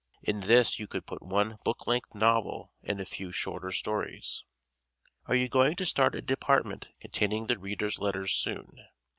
In this you could put one book length novel and a few shorter stories. Are you going to start a department containing the readers' letters soon?